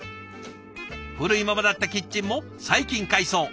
古いままだったキッチンも最近改装。